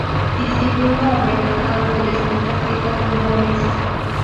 Discípulo aventajado del escultor Ricardo Boix.